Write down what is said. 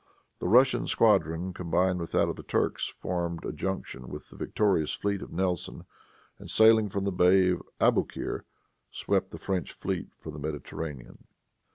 The Russian squadron combined with that of the Turks, formed a junction with the victorious fleet of Nelson, and sailing from the bay of Aboukir, swept the French fleet from the Mediterranean.